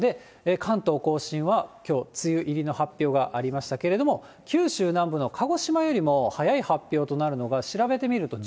関東甲信は、きょう梅雨入りの発表がありましたけれども、九州南部の鹿児島よりも早い発表となるのが、